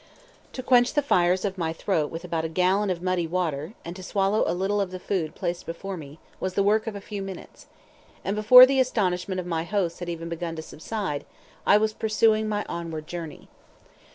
To quench the fires of my throat with about a gallon of muddy water, and to swallow a little of the food placed before me, was the work of few minutes, and before the astonishment of my hosts had even begun to subside, I was pursuing my onward journey.